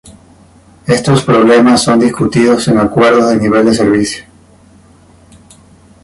Estos problemas son discutidos en acuerdos de nivel de servicio.